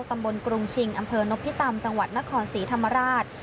กรุงชิงอำเภอนพิตำจังหวัดนครศรีธรรมราช